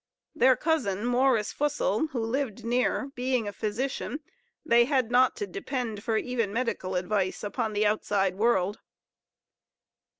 Their cousin, Morris Fussell, who lived near, being a physician, they had not to depend for even medical advice upon the outside world.